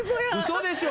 嘘でしょ！？